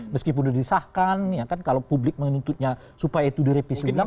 meskipun sudah disahkan kalau publik menuntutnya supaya itu direvisi